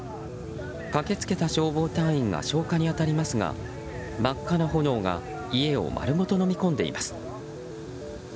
駆け付けた消防隊員が消火に当たりますが真っ赤な炎が家を丸ごとのみ込んでいます。